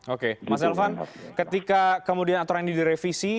oke mas elvan ketika kemudian aturan ini direvisi